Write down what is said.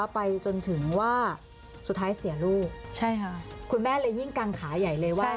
ไปจนถึงว่าสุดท้ายเสียลูกใช่ค่ะคุณแม่เลยยิ่งกังขาใหญ่เลยว่า